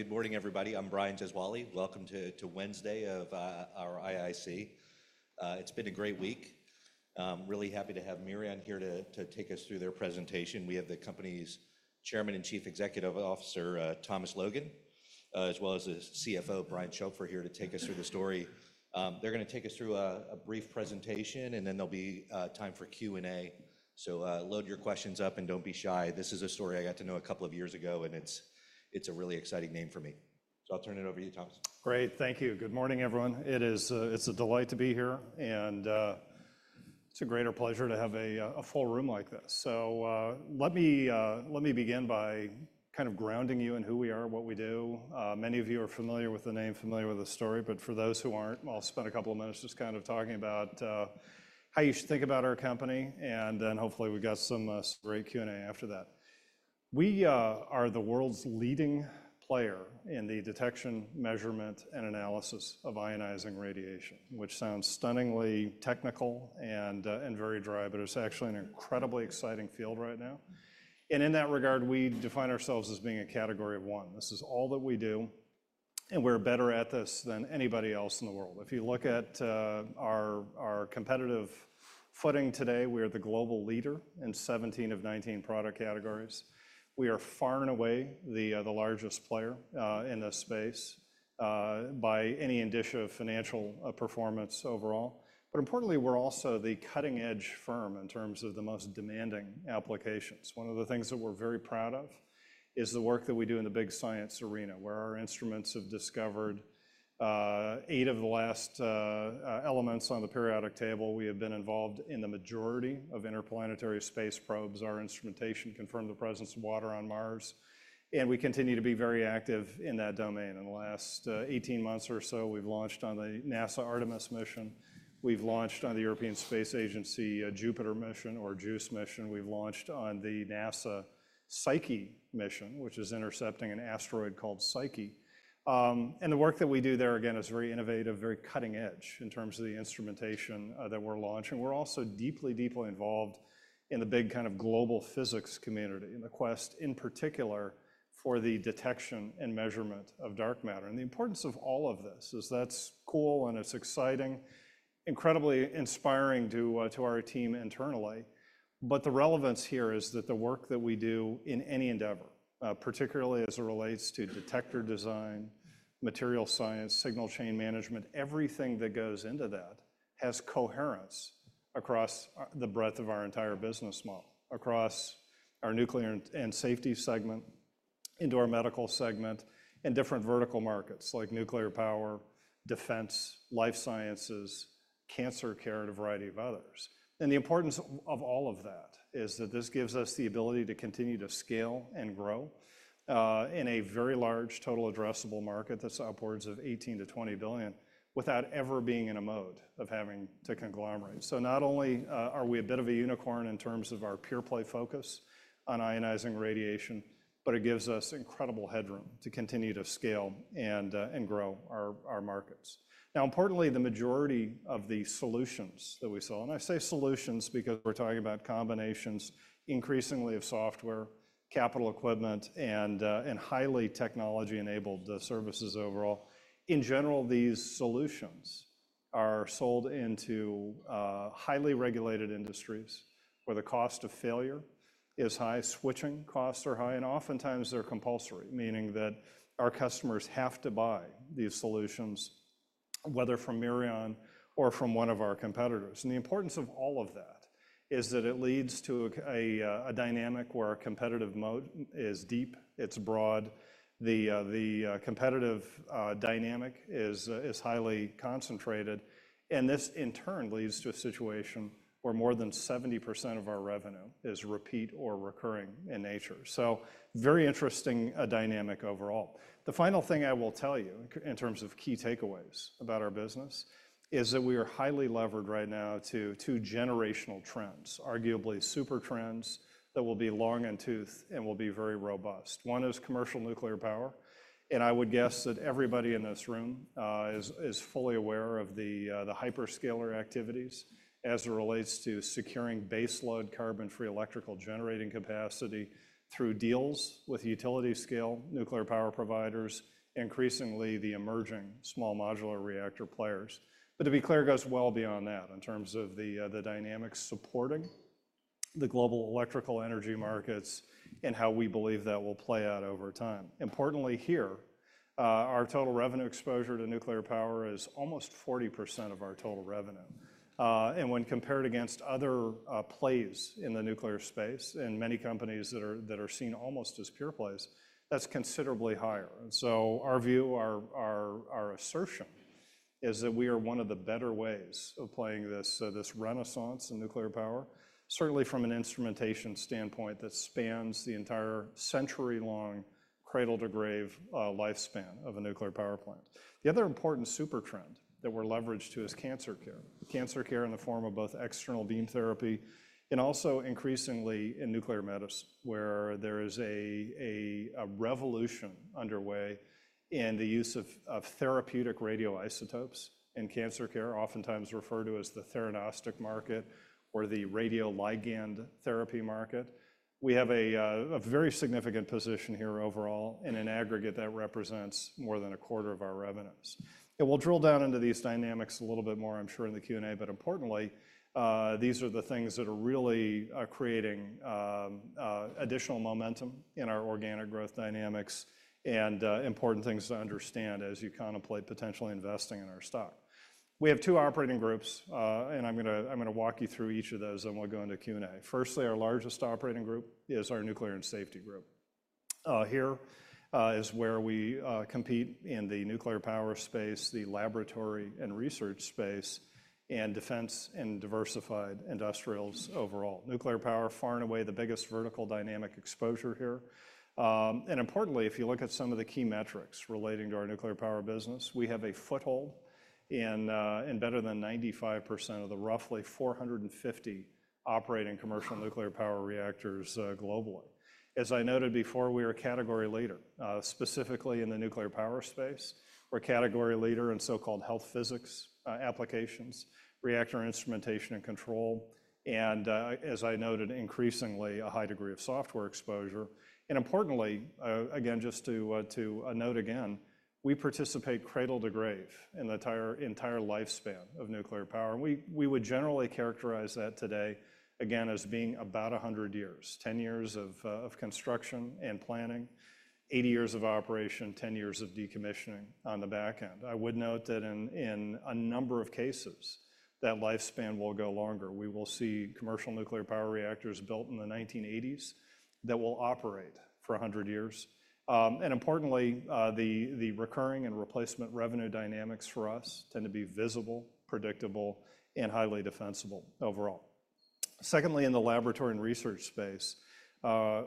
Good morning, everybody. I'm Brian Gesuale. Welcome to Wednesday of our IIC. It's been a great week. Really happy to have Mirion here to take us through their presentation. We have the company's Chairman and Chief Executive Officer, Thomas Logan, as well as the CFO, Brian Schopfer, here to take us through the story. They're going to take us through a brief presentation, and then there'll be time for Q&A. So load your questions up and don't be shy. This is a story I got to know a couple of years ago, and it's a really exciting name for me. So I'll turn it over to you, Thomas. Great. Thank you. Good morning, everyone. It's a delight to be here, and it's a greater pleasure to have a full room like this. So let me begin by kind of grounding you in who we are and what we do. Many of you are familiar with the name, familiar with the story, but for those who aren't, I'll spend a couple of minutes just kind of talking about how you should think about our company, and then hopefully we've got some great Q&A after that. We are the world's leading player in the detection, measurement, and analysis of ionizing radiation, which sounds stunningly technical and very dry, but it's actually an incredibly exciting field right now. And in that regard, we define ourselves as being a category of one. This is all that we do, and we're better at this than anybody else in the world. If you look at our competitive footing today, we are the global leader in 17 of 19 product categories. We are far and away the largest player in this space by any indicia of financial performance overall. But importantly, we're also the cutting-edge firm in terms of the most demanding applications. One of the things that we're very proud of is the work that we do in the big science arena, where our instruments have discovered eight of the last elements on the periodic table. We have been involved in the majority of interplanetary space probes. Our instrumentation confirmed the presence of water on Mars, and we continue to be very active in that domain. In the last 18 months or so, we've launched on the NASA Artemis mission. We've launched on the European Space Agency Jupiter mission, or JUICE mission. We've launched on the NASA Psyche mission, which is intercepting an asteroid called Psyche, and the work that we do there, again, is very innovative, very cutting-edge in terms of the instrumentation that we're launching. We're also deeply, deeply involved in the big kind of global physics community, in the quest in particular for the detection and measurement of dark matter, and the importance of all of this is that's cool and it's exciting, incredibly inspiring to our team internally, but the relevance here is that the work that we do in any endeavor, particularly as it relates to detector design, material science, signal chain management, everything that goes into that has coherence across the breadth of our entire business model, across our nuclear and safety segment, into our medical segment, and different vertical markets like nuclear power, defense, life sciences, cancer care, and a variety of others. The importance of all of that is that this gives us the ability to continue to scale and grow in a very large total addressable market that's upwards of $18 billion-$20 billion without ever being in a mode of having to conglomerate. Not only are we a bit of a unicorn in terms of our pure play focus on ionizing radiation, but it gives us incredible headroom to continue to scale and grow our markets. Now, importantly, the majority of the solutions that we sell, and I say solutions because we're talking about combinations increasingly of software, capital equipment, and highly technology-enabled services overall. In general, these solutions are sold into highly regulated industries where the cost of failure is high, switching costs are high, and oftentimes they're compulsory, meaning that our customers have to buy these solutions, whether from Mirion or from one of our competitors. And the importance of all of that is that it leads to a dynamic where our competitive mode is deep, it's broad, the competitive dynamic is highly concentrated, and this in turn leads to a situation where more than 70% of our revenue is repeat or recurring in nature. So very interesting dynamic overall. The final thing I will tell you in terms of key takeaways about our business is that we are highly levered right now to two generational trends, arguably super trends that will be long and toothed and will be very robust. One is commercial nuclear power, and I would guess that everybody in this room is fully aware of the hyperscaler activities as it relates to securing baseload carbon-free electrical generating capacity through deals with utility-scale nuclear power providers, increasingly the emerging small modular reactor players. But to be clear, it goes well beyond that in terms of the dynamics supporting the global electrical energy markets and how we believe that will play out over time. Importantly here, our total revenue exposure to nuclear power is almost 40% of our total revenue. And when compared against other plays in the nuclear space and many companies that are seen almost as pure plays, that's considerably higher. And so our view, our assertion is that we are one of the better ways of playing this renaissance in nuclear power, certainly from an instrumentation standpoint that spans the entire century-long cradle-to-grave lifespan of a nuclear power plant. The other important super trend that we're leveraged to is cancer care, cancer care in the form of both external beam therapy and also increasingly in nuclear medicine, where there is a revolution underway in the use of therapeutic radioisotopes in cancer care, oftentimes referred to as the theranostic market or the radioligand therapy market. We have a very significant position here overall in an aggregate that represents more than a quarter of our revenues. And we'll drill down into these dynamics a little bit more, I'm sure, in the Q&A, but importantly, these are the things that are really creating additional momentum in our organic growth dynamics and important things to understand as you contemplate potentially investing in our stock. We have two operating groups, and I'm going to walk you through each of those and we'll go into Q&A. Firstly, our largest operating group is our nuclear and safety group. Here is where we compete in the nuclear power space, the laboratory and research space, and defense and diversified industrials overall. Nuclear power, far and away the biggest vertical dynamic exposure here. And importantly, if you look at some of the key metrics relating to our nuclear power business, we have a foothold in better than 95% of the roughly 450 operating commercial nuclear power reactors globally. As I noted before, we are a category leader, specifically in the nuclear power space. We're a category leader in so-called health physics applications, reactor instrumentation and control, and as I noted, increasingly a high degree of software exposure. And importantly, again, just to note again, we participate cradle to grave in the entire lifespan of nuclear power. We would generally characterize that today, again, as being about 100 years, 10 years of construction and planning, 80 years of operation, 10 years of decommissioning on the back end. I would note that in a number of cases, that lifespan will go longer. We will see commercial nuclear power reactors built in the 1980s that will operate for 100 years, and importantly, the recurring and replacement revenue dynamics for us tend to be visible, predictable, and highly defensible overall. Secondly, in the laboratory and research space,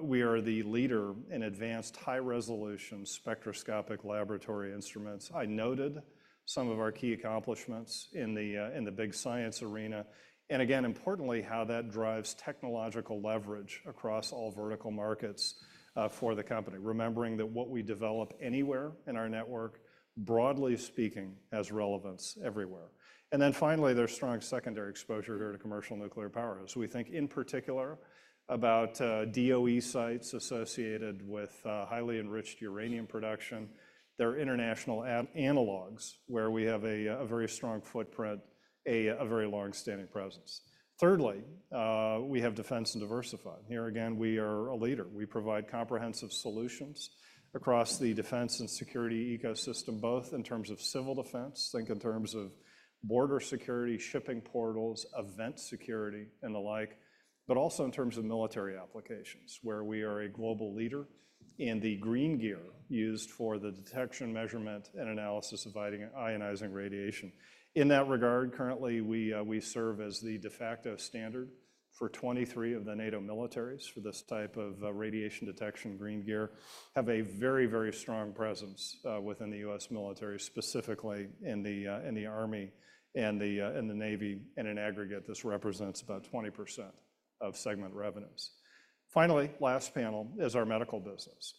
we are the leader in advanced high-resolution spectroscopic laboratory instruments. I noted some of our key accomplishments in the big science arena, and again, importantly, how that drives technological leverage across all vertical markets for the company, remembering that what we develop anywhere in our network, broadly speaking, has relevance everywhere, and then finally, there's strong secondary exposure here to commercial nuclear power. So we think in particular about DOE sites associated with highly enriched uranium production. There are international analogs where we have a very strong footprint, a very long-standing presence. Thirdly, we have defense and diversified. Here again, we are a leader. We provide comprehensive solutions across the defense and security ecosystem, both in terms of civil defense, think in terms of border security, shipping portals, event security, and the like, but also in terms of military applications where we are a global leader in the green gear used for the detection, measurement, and analysis of ionizing radiation. In that regard, currently, we serve as the de facto standard for 23 of the NATO militaries for this type of radiation detection green gear, have a very, very strong presence within the U.S. military, specifically in the Army and the Navy in an aggregate. This represents about 20% of segment revenues. Finally, last panel is our medical business.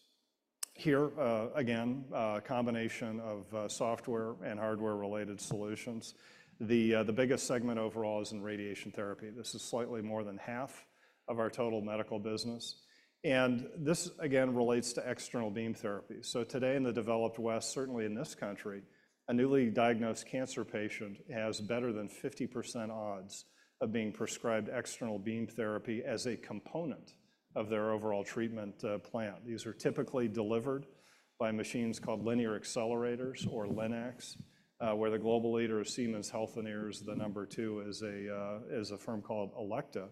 Here, again, a combination of software and hardware-related solutions. The biggest segment overall is in radiation therapy. This is slightly more than half of our total medical business. And this, again, relates to external beam therapy. So today in the developed West, certainly in this country, a newly diagnosed cancer patient has better than 50% odds of being prescribed external beam therapy as a component of their overall treatment plan. These are typically delivered by machines called linear accelerators or LINACs, where the global leader is Siemens Healthineers, the number two is a firm called Elekta.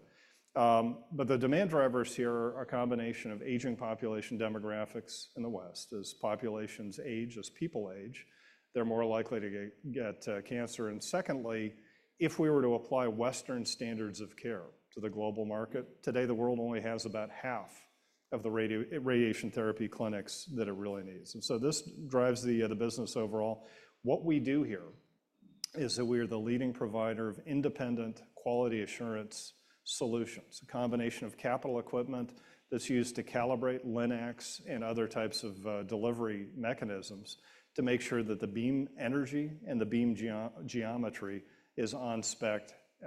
But the demand drivers here are a combination of aging population demographics in the West. As populations age, as people age, they're more likely to get cancer. Secondly, if we were to apply Western standards of care to the global market, today the world only has about half of the radiation therapy clinics that it really needs. So this drives the business overall. What we do here is that we are the leading provider of independent quality assurance solutions, a combination of capital equipment that's used to calibrate Linacs and other types of delivery mechanisms to make sure that the beam energy and the beam geometry is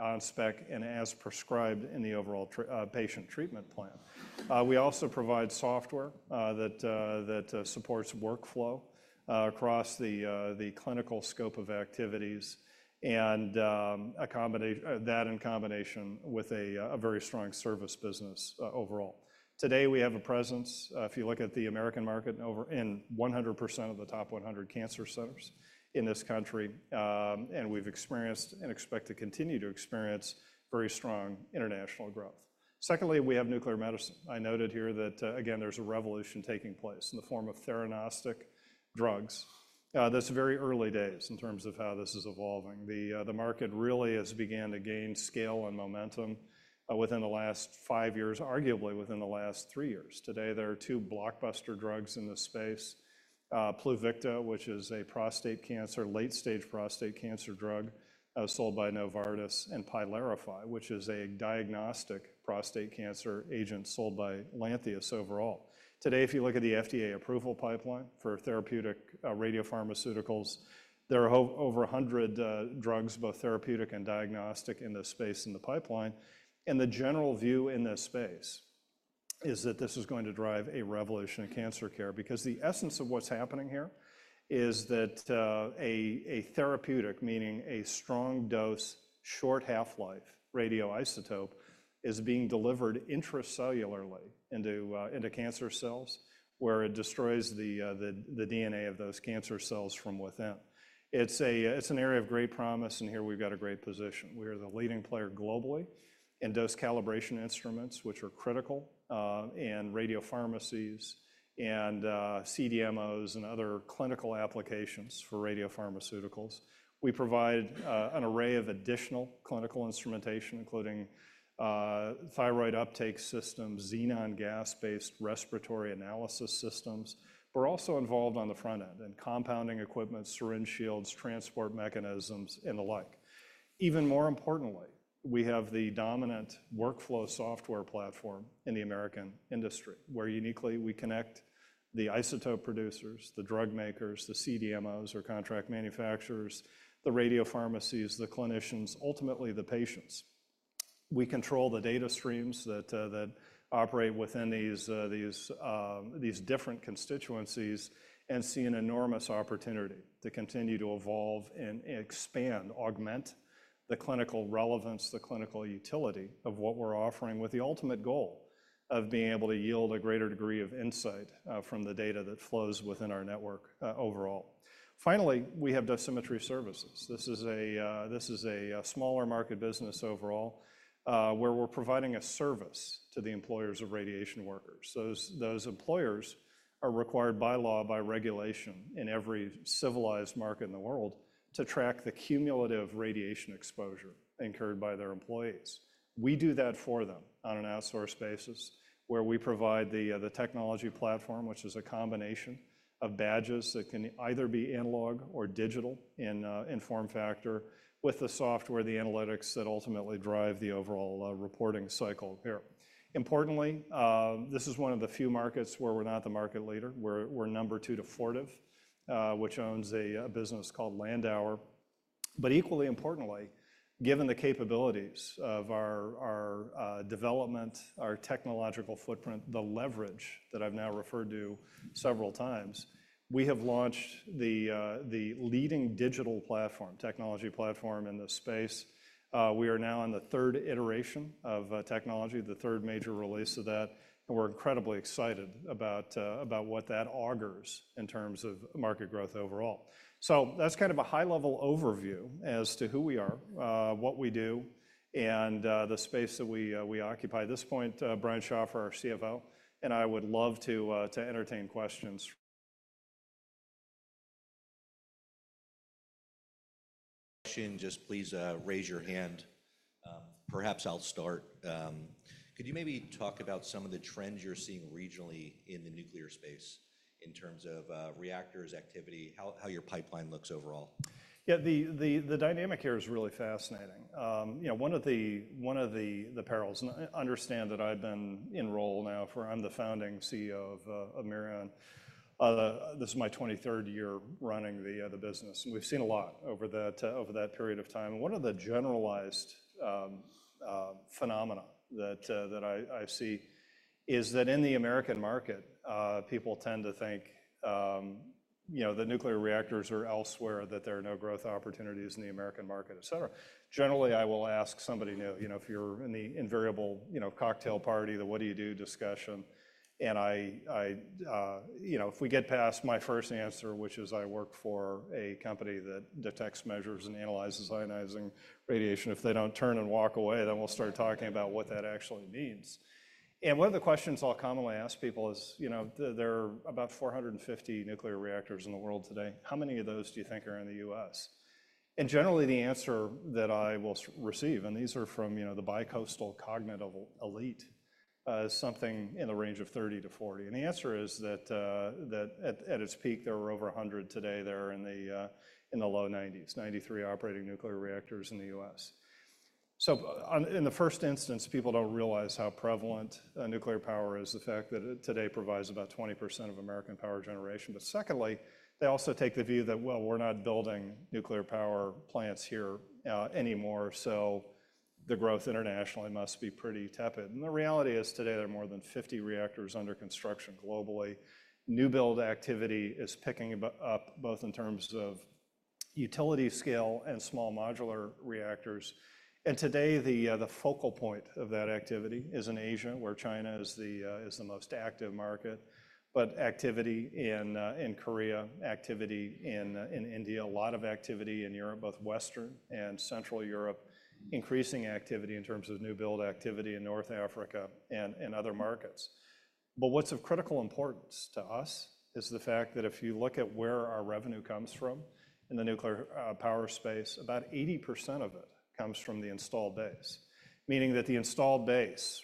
on spec and as prescribed in the overall patient treatment plan. We also provide software that supports workflow across the clinical scope of activities and that in combination with a very strong service business overall. Today we have a presence, if you look at the American market, in 100% of the top 100 cancer centers in this country, and we've experienced and expect to continue to experience very strong international growth. Secondly, we have nuclear medicine. I noted here that, again, there's a revolution taking place in the form of theranostics drugs. That's very early days in terms of how this is evolving. The market really has begun to gain scale and momentum within the last five years, arguably within the last three years. Today there are two blockbuster drugs in this space, PLUVICTO, which is a late-stage prostate cancer drug sold by Novartis, and PYLARIFY, which is a diagnostic prostate cancer agent sold by Lantheus overall. Today, if you look at the FDA approval pipeline for therapeutic radiopharmaceuticals, there are over 100 drugs, both therapeutic and diagnostic, in this space in the pipeline. The general view in this space is that this is going to drive a revolution in cancer care because the essence of what's happening here is that a therapeutic, meaning a strong dose, short half-life radioisotope is being delivered intracellularly into cancer cells where it destroys the DNA of those cancer cells from within. It's an area of great promise, and here we've got a great position. We are the leading player globally in dose calibration instruments, which are critical in radiopharmacies and CDMOs and other clinical applications for radiopharmaceuticals. We provide an array of additional clinical instrumentation, including thyroid uptake systems, xenon gas-based respiratory analysis systems. We're also involved on the front end in compounding equipment, syringe shields, transport mechanisms, and the like. Even more importantly, we have the dominant workflow software platform in the American industry where uniquely we connect the isotope producers, the drug makers, the CDMOs or contract manufacturers, the radiopharmacies, the clinicians, ultimately the patients. We control the data streams that operate within these different constituencies and see an enormous opportunity to continue to evolve and expand, augment the clinical relevance, the clinical utility of what we're offering with the ultimate goal of being able to yield a greater degree of insight from the data that flows within our network overall. Finally, we have dosimetry services. This is a smaller market business overall where we're providing a service to the employers of radiation workers. Those employers are required by law, by regulation in every civilized market in the world to track the cumulative radiation exposure incurred by their employees. We do that for them on an outsource basis where we provide the technology platform, which is a combination of badges that can either be analog or digital in form factor with the software, the analytics that ultimately drive the overall reporting cycle here. Importantly, this is one of the few markets where we're not the market leader. We're number two to Fortive, which owns a business called Landauer. But equally importantly, given the capabilities of our development, our technological footprint, the leverage that I've now referred to several times, we have launched the leading digital platform, technology platform in this space. We are now in the third iteration of technology, the third major release of that. We're incredibly excited about what that augurs in terms of market growth overall. So that's kind of a high-level overview as to who we are, what we do, and the space that we occupy. At this point, Brian Schopfer, our CFO, and I would love to entertain questions. Question, just please raise your hand. Perhaps I'll start. Could you maybe talk about some of the trends you're seeing regionally in the nuclear space in terms of reactors activity, how your pipeline looks overall? Yeah, the dynamic here is really fascinating. One of the perils, and I understand that I've been in role now. I'm the founding CEO of Mirion. This is my 23rd year running the business. And we've seen a lot over that period of time. And one of the generalized phenomena that I see is that in the American market, people tend to think the nuclear reactors are elsewhere, that there are no growth opportunities in the American market, et cetera. Generally, I will ask somebody new, if you're in the invariable cocktail party, the what do you do discussion. And if we get past my first answer, which is I work for a company that detects, measures, and analyzes ionizing radiation, if they don't turn and walk away, then we'll start talking about what that actually means. One of the questions I'll commonly ask people is there are about 450 nuclear reactors in the world today. How many of those do you think are in the U.S.? And generally, the answer that I will receive, and these are from the bi-coastal cognitive elite, is something in the range of 30 to 40. And the answer is that at its peak, there were over 100 today. They're in the low 90s, 93 operating nuclear reactors in the U.S. So in the first instance, people don't realize how prevalent nuclear power is, the fact that it today provides about 20% of American power generation. But secondly, they also take the view that, well, we're not building nuclear power plants here anymore, so the growth internationally must be pretty tepid. And the reality is today there are more than 50 reactors under construction globally. New build activity is picking up both in terms of utility scale and small modular reactors, and today the focal point of that activity is in Asia, where China is the most active market, but activity in Korea, activity in India, a lot of activity in Europe, both Western and Central Europe, increasing activity in terms of new build activity in North Africa and other markets, but what's of critical importance to us is the fact that if you look at where our revenue comes from in the nuclear power space, about 80% of it comes from the installed base, meaning that the installed base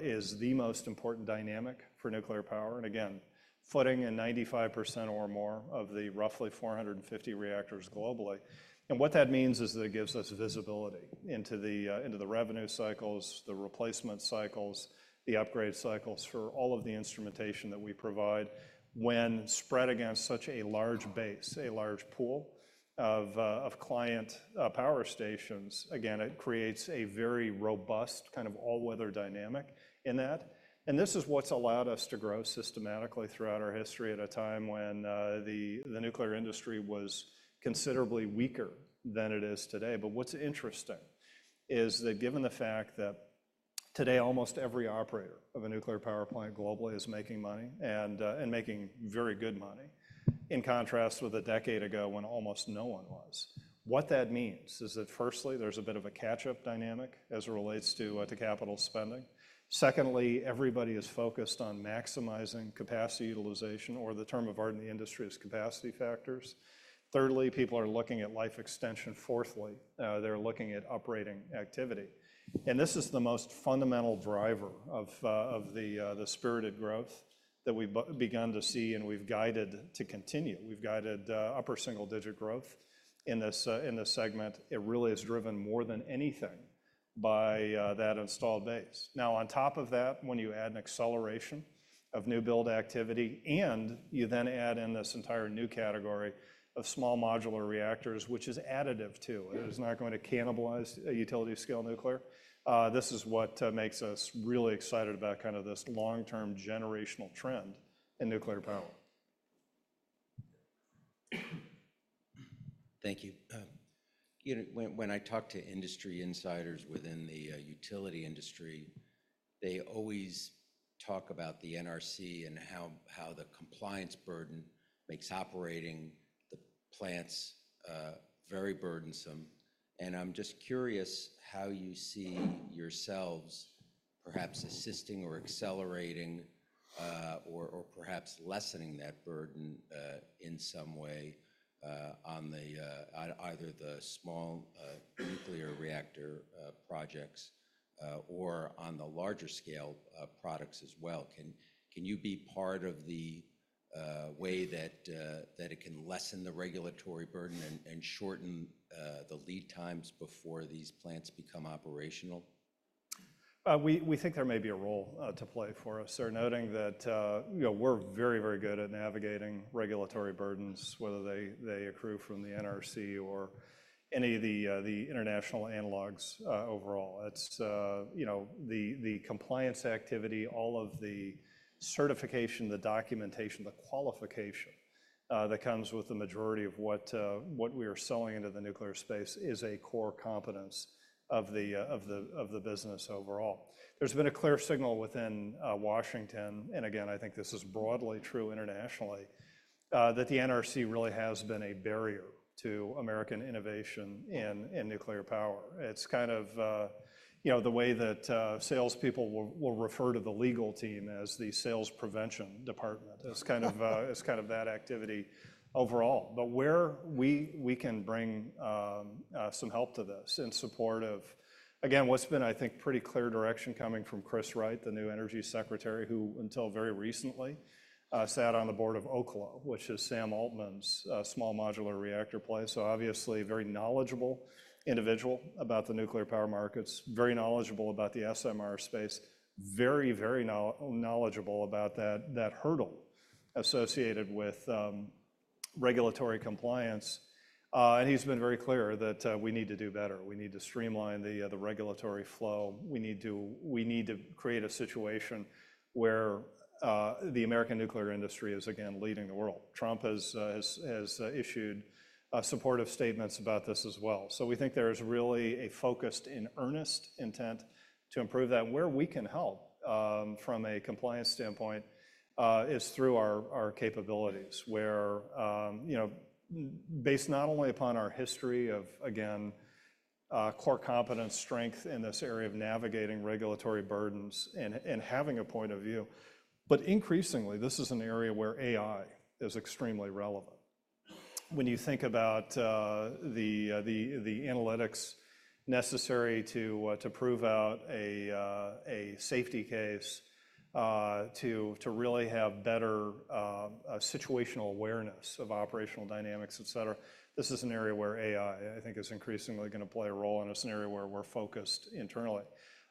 is the most important dynamic for nuclear power, and again, footprint in 95% or more of the roughly 450 reactors globally. And what that means is that it gives us visibility into the revenue cycles, the replacement cycles, the upgrade cycles for all of the instrumentation that we provide. When spread against such a large base, a large pool of client power stations, again, it creates a very robust kind of all-weather dynamic in that. And this is what's allowed us to grow systematically throughout our history at a time when the nuclear industry was considerably weaker than it is today. But what's interesting is that given the fact that today almost every operator of a nuclear power plant globally is making money and making very good money in contrast with a decade ago when almost no one was, what that means is that firstly, there's a bit of a catch-up dynamic as it relates to capital spending. Secondly, everybody is focused on maximizing capacity utilization, or the term of art in the industry is capacity factors. Thirdly, people are looking at life extension. Fourthly, they're looking at uprating activity. And this is the most fundamental driver of the spirited growth that we've begun to see and we've guided to continue. We've guided upper single-digit growth in this segment. It really is driven more than anything by that installed base. Now, on top of that, when you add an acceleration of new build activity and you then add in this entire new category of small modular reactors, which is additive too, it is not going to cannibalize utility-scale nuclear, this is what makes us really excited about kind of this long-term generational trend in nuclear power. Thank you. When I talk to industry insiders within the utility industry, they always talk about the NRC and how the compliance burden makes operating the plants very burdensome, and I'm just curious how you see yourselves perhaps assisting or accelerating or perhaps lessening that burden in some way on either the small nuclear reactor projects or on the larger scale products as well. Can you be part of the way that it can lessen the regulatory burden and shorten the lead times before these plants become operational? We think there may be a role to play for us. They're noting that we're very, very good at navigating regulatory burdens, whether they accrue from the NRC or any of the international analogs overall. The compliance activity, all of the certification, the documentation, the qualification that comes with the majority of what we are selling into the nuclear space is a core competence of the business overall. There's been a clear signal within Washington, and again, I think this is broadly true internationally, that the NRC really has been a barrier to American innovation in nuclear power. It's kind of the way that salespeople will refer to the legal team as the sales prevention department. It's kind of that activity overall. But where we can bring some help to this in support of, again, what's been, I think, pretty clear direction coming from Chris Wright, the new Secretary of Energy, who until very recently sat on the board of Oklo, which is Sam Altman's small modular reactor place. So obviously a very knowledgeable individual about the nuclear power markets, very knowledgeable about the SMR space, very, very knowledgeable about that hurdle associated with regulatory compliance. And he's been very clear that we need to do better. We need to streamline the regulatory flow. We need to create a situation where the American nuclear industry is, again, leading the world. Trump has issued supportive statements about this as well. So we think there is really a focused and earnest intent to improve that. Where we can help from a compliance standpoint is through our capabilities where based not only upon our history of, again, core competence, strength in this area of navigating regulatory burdens and having a point of view, but increasingly this is an area where AI is extremely relevant. When you think about the analytics necessary to prove out a safety case, to really have better situational awareness of operational dynamics, et cetera, this is an area where AI, I think, is increasingly going to play a role in a scenario where we're focused internally.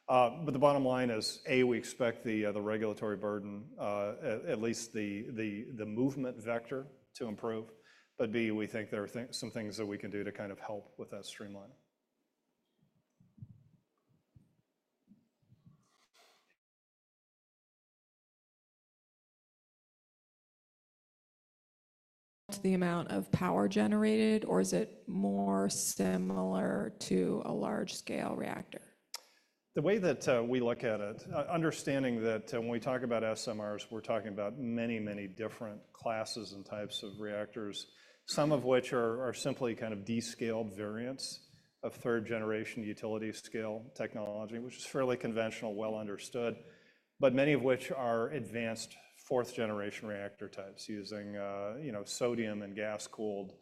But the bottom line is, A, we expect the regulatory burden, at least the movement vector to improve. But B, we think there are some things that we can do to kind of help with that streamline. The amount of power generated, or is it more similar to a large-scale reactor? The way that we look at it, understanding that when we talk about SMRs, we're talking about many, many different classes and types of reactors, some of which are simply kind of descaled variants of third-generation utility-scale technology, which is fairly conventional, well understood, but many of which are advanced fourth-generation reactor types using sodium and gas-cooled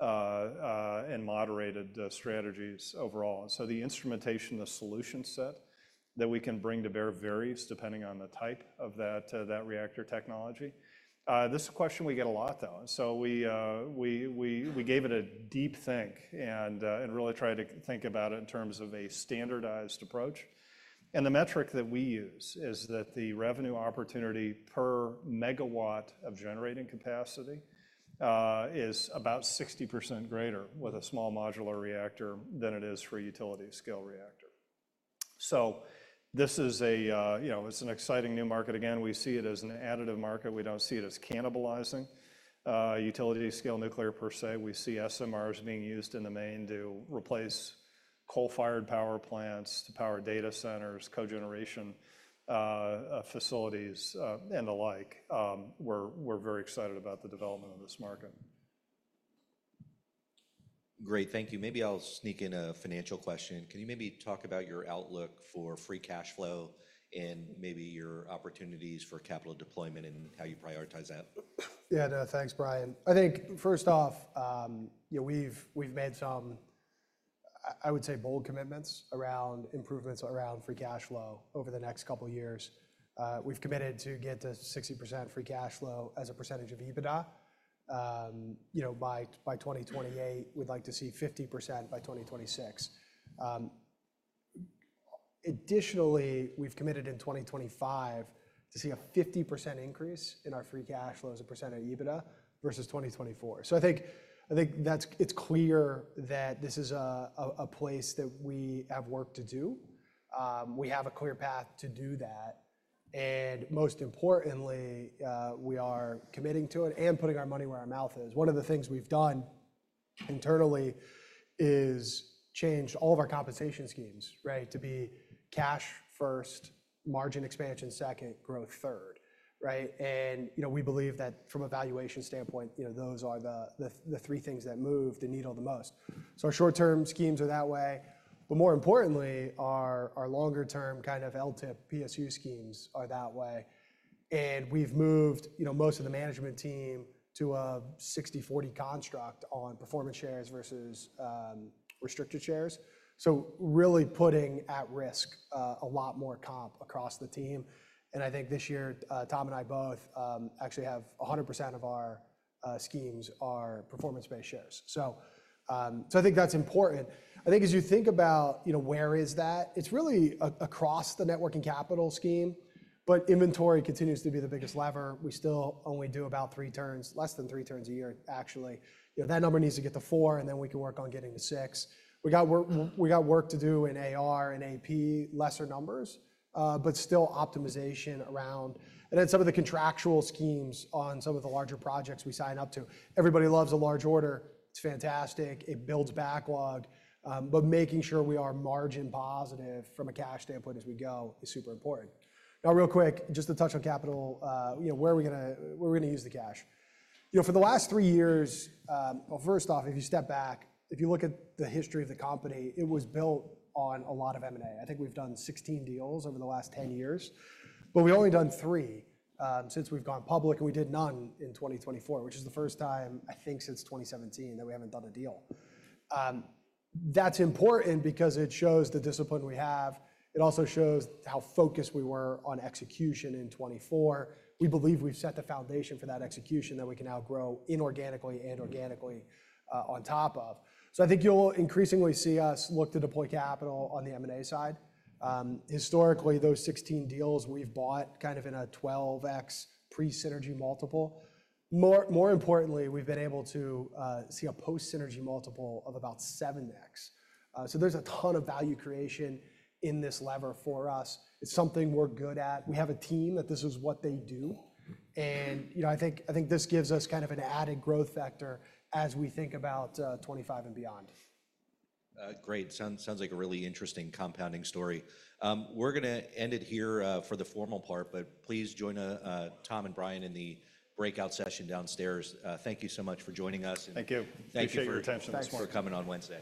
and moderated strategies overall, and so the instrumentation, the solution set that we can bring to bear varies depending on the type of that reactor technology. This is a question we get a lot, though, so we gave it a deep think and really tried to think about it in terms of a standardized approach, and the metric that we use is that the revenue opportunity per megawatt of generating capacity is about 60% greater with a small modular reactor than it is for a utility-scale reactor. So this is an exciting new market. Again, we see it as an additive market. We don't see it as cannibalizing utility-scale nuclear per se. We see SMRs being used in the main to replace coal-fired power plants to power data centers, cogeneration facilities, and the like. We're very excited about the development of this market. Great, thank you. Maybe I'll sneak in a financial question. Can you maybe talk about your outlook for free cash flow and maybe your opportunities for capital deployment and how you prioritize that? Yeah, no, thanks, Brian. I think first off, we've made some, I would say, bold commitments around improvements around free cash flow over the next couple of years. We've committed to get to 60% free cash flow as a percentage of EBITDA. By 2028, we'd like to see 50% by 2026. Additionally, we've committed in 2025 to see a 50% increase in our free cash flow as a percent of EBITDA versus 2024, so I think it's clear that this is a place that we have work to do. We have a clear path to do that, and most importantly, we are committing to it and putting our money where our mouth is. One of the things we've done internally is changed all of our compensation schemes, right, to be cash first, margin expansion second, growth third. We believe that from a valuation standpoint, those are the three things that move the needle the most. So our short-term schemes are that way. But more importantly, our longer-term kind of LTIP PSU schemes are that way. And we've moved most of the management team to a 60/40 construct on performance shares versus restricted shares. So really putting at risk a lot more comp across the team. And I think this year, Tom and I both actually have 100% of our schemes are performance-based shares. So I think that's important. I think as you think about where is that, it's really across the working capital scheme, but inventory continues to be the biggest lever. We still only do about three turns, less than three turns a year, actually. That number needs to get to four, and then we can work on getting to six. We got work to do in AR and AP, lesser numbers, but still optimization around. And then some of the contractual schemes on some of the larger projects we sign up to. Everybody loves a large order. It's fantastic. It builds backlog. But making sure we are margin positive from a cash standpoint as we go is super important. Now, real quick, just to touch on capital, where are we going to use the cash? For the last three years, well, first off, if you step back, if you look at the history of the company, it was built on a lot of M&A. I think we've done 16 deals over the last 10 years, but we've only done three since we've gone public, and we did none in 2024, which is the first time, I think, since 2017 that we haven't done a deal. That's important because it shows the discipline we have. It also shows how focused we were on execution in 2024. We believe we've set the foundation for that execution that we can now grow inorganically and organically on top of. So I think you'll increasingly see us look to deploy capital on the M&A side. Historically, those 16 deals we've bought kind of in a 12x pre-synergy multiple. More importantly, we've been able to see a post-synergy multiple of about 7x. So there's a ton of value creation in this lever for us. It's something we're good at. We have a team that this is what they do. And I think this gives us kind of an added growth vector as we think about 2025 and beyond. Great. Sounds like a really interesting compounding story. We're going to end it here for the formal part, but please join Tom and Brian in the breakout session downstairs. Thank you so much for joining us. Thank you. Thank you for your attention. Thanks for coming on Wednesday.